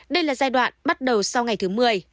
đây là giai đoạn bắt đầu sau ngày thứ mười